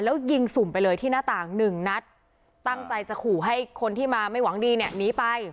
แล้วยิงสุ่มไปเลยที่หน้าต่างหนึ่งนัดตั้งใจจะขู่ให้คนที่มาไม่หวังดีเนี่ยหนีไป